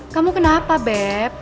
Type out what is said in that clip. kamu kenapa beb